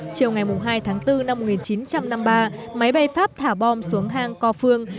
chiều ngày hai tháng bốn năm một nghìn chín trăm năm mươi ba máy bay pháp thả bom xuống hang co phương